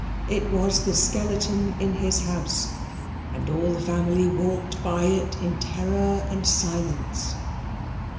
It was the skeleton in his house, and all the family walked by it in terror and silence.